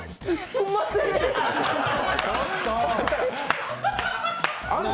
すんません！